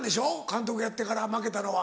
監督やってから負けたのは。